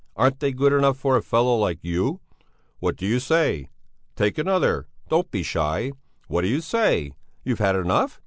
Aren't they good enough for a fellow like you? What do you say? Take another! Don't be shy! What do you say? You've had enough?